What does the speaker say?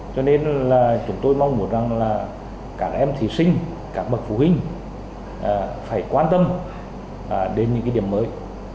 cho nên chúng tôi mong muốn cả em thí sinh cả bậc phụ huynh phải quan tâm đến những điểm mới